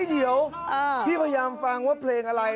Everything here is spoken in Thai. เดี๋ยวพี่พยายามฟังว่าเพลงอะไร